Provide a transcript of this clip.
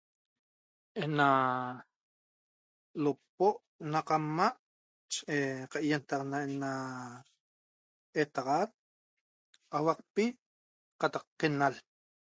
Ena lupo' na qadma' qaienataxana ena etaxat auaqpi qataq quenal